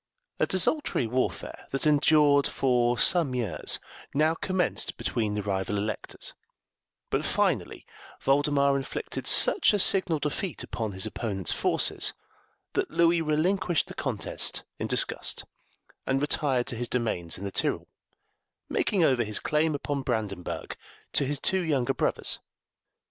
A desultory warfare, that endured for some years, now commenced between the rival electors, but finally Voldemar inflicted such a signal defeat upon his opponent's forces that Louis relinquished the contest in disgust, and retired to his domains in the Tyrol, making over his claim upon Brandenburg to his two younger brothers.